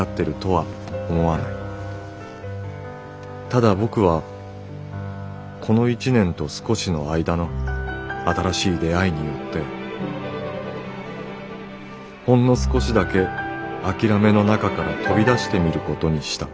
ただ僕はこの一年と少しの間の新しい出会いによってほんの少しだけ諦めの中から飛びだしてみることにした」。